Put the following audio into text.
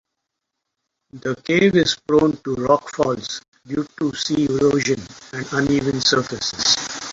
The cave is prone to rock falls due to sea erosion and uneven surfaces.